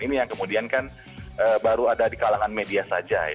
ini yang kemudian kan baru ada di kalangan media saja